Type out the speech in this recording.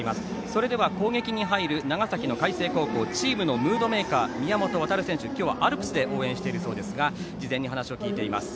それでは、攻撃に入る長崎の海星高校チームのムードメーカー宮本航選手、今日はアルプスで応援してるそうですが事前にお話を聞いています。